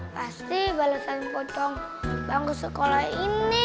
pasti balesan pocong bangku sekolah ini